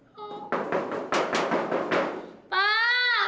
tolong keluarin asma